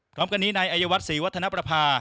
พร้อมกันนี้ในอัยวัฒน์๔วัฒนประพา